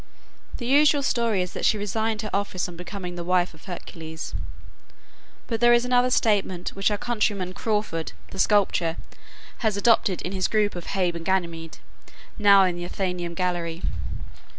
The usual story is that she resigned her office on becoming the wife of Hercules. But there is another statement which our countryman Crawford, the sculptor, has adopted in his group of Hebe and Ganymede, now in the Athenaeum gallery.